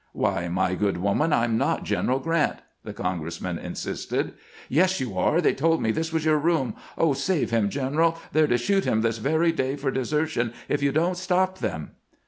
" Why, my good woman, I 'm not General Grant," the congressman insisted. " Yes, you are ; they told me this was your room. Oh, save him, general; they 're to SHAVING UNDER DIFFICULTIES 395 shoot him this very day for desertion if yon don't stop them."